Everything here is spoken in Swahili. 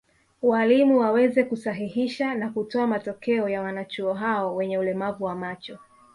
Walimu waweze kusahihisha na kutoa matokeo ya wanachuo hao wenye ulemavu wa macho